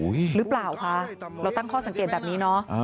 หรือเปล่าคะเราตั้งข้อสังเกตแบบนี้เนอะ